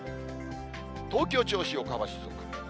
東京、銚子、横浜、静岡。